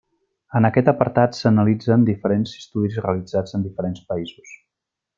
En aquest apartat s'analitzen diferents estudis realitzats en diferents països.